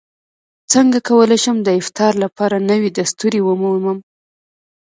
څنګه کولی شم د افتار لپاره نوې دستورې ومومم